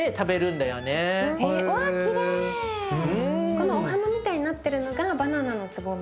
このお花みたいになってるのがバナナのつぼみ？